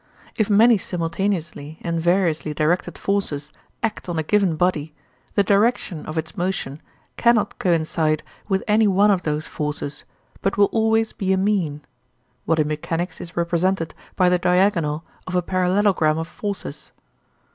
If many simultaneously and variously directed forces act on a given body, the direction of its motion cannot coincide with any one of those forces, but will always be a mean—what in mechanics is represented by the diagonal of a parallelogram of forces.